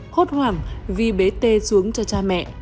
hốt hoảng vi bế t xuống cho cha mẹ